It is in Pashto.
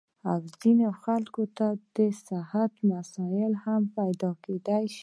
او ځينې خلکو ته د صحت مسئلې هم پېدا کېدے شي -